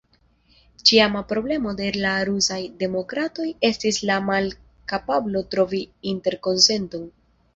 Ĉiama problemo de la rusaj demokratoj estis la malkapablo trovi interkonsenton.